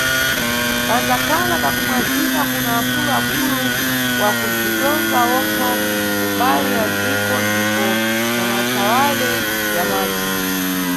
Kandzakhala kakumwazika kuna akulu-akulu wa kubzitonga okha kumbali ya dziko ndipo na mathawale ya madzi.